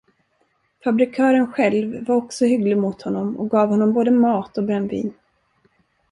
Fabrikören själv var också hygglig mot honom och gav honom både mat och brännvin.